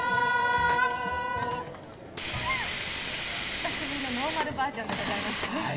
久しぶりのノーマルバージョンでございましたね。